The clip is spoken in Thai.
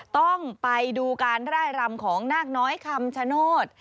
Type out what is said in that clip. ต้องไปดูการไล่รำของนาคน้อยคำชโนธ